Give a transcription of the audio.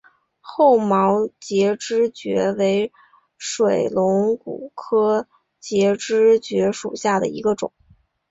厚毛节肢蕨为水龙骨科节肢蕨属下的一个种。